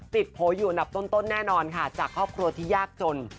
ติดโผยุหนับต้นแน่นอนค่ะจากครอบครัวที่ยากจน